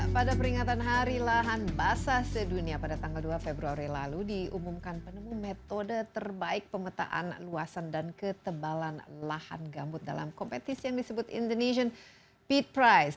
pada peringatan hari lahan basah sedunia pada tanggal dua februari lalu diumumkan penemu metode terbaik pemetaan luasan dan ketebalan lahan gambut dalam kompetisi yang disebut indonesian peat price